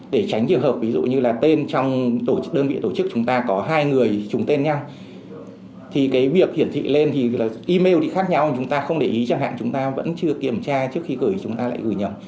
để tránh trường hợp ví dụ như là tên trong tổ đơn vị tổ chức chúng ta có hai người trùng tên nhau thì cái việc hiển thị lên thì là email thì khác nhau chúng ta không để ý chẳng hạn chúng ta vẫn chưa kiểm tra trước khi gửi chúng ta lại gửi nhầm